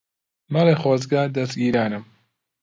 مەڵێ خۆزگە دەزگیرانم